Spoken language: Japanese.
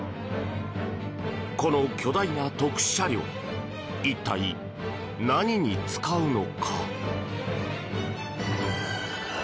この巨大な特殊車両一体、何に使うのか？